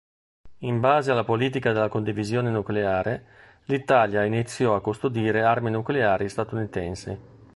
In base alla politica della condivisione nucleare, l'Italia iniziò a custodire armi nucleari statunitensi.